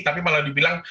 tapi malah dibilang